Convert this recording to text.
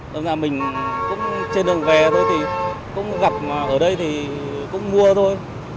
đồng thời mình cũng trên đường về thôi thì cũng gặp ở đây thì cũng mua thôi